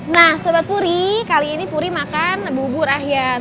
nah sobat puri kali ini puri makan bubur ahian